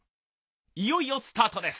いよいよスタートです！